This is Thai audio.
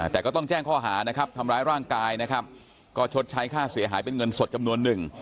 แต่ก็ต้องแจ้งข้อหานะครับทำร้ายร่างกายนะครับก็ชดใช้ค่าเสียหายเป็นเงินสดจำนวนหนึ่ง